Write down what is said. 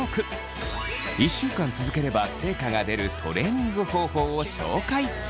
１週間続ければ成果が出るトレ−ニング方法を紹介。